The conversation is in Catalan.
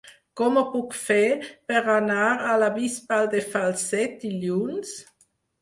Com ho puc fer per anar a la Bisbal de Falset dilluns?